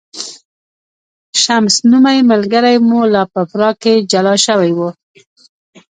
شمس نومی ملګری مو لا په پراګ کې جلا شوی و.